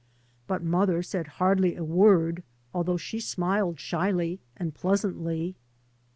But mother said hardly a word, although she smiled shyly and pleasantly.